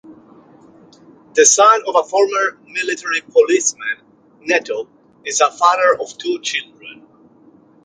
The son of a former military policeman, Neto is a father of two children.